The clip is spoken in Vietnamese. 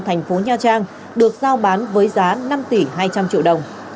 thành phố nha trang được giao bán với giá năm tỷ hai trăm linh triệu đồng